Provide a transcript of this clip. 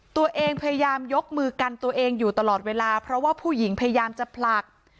ตัวเองพยายามยกมือกันตัวเองอยู่ตลอดเวลาเพราะว่าผู้หญิงพยายามจะผลัก